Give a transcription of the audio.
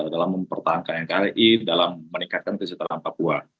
dalam mempertahankan nkri dalam meningkatkan kesejahteraan papua